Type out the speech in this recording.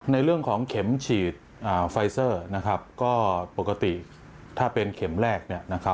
ในเรื่องของเข็มฉีดไฟเซอร์ก็ปกติถ้าเป็นเข็มแรก